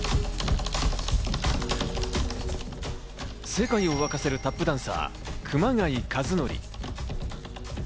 世界を沸かせるタップダンサー、熊谷和徳。